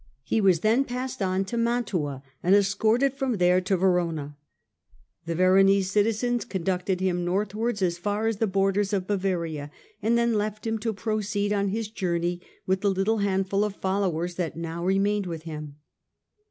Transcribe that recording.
He was then passed on to Mantua and escorted from there to Verona. The Veronese citizens conducted him north wards as far as the borders of Bavaria and then left him to proceed on his journey with the little handful of fol lowers that now remained with him.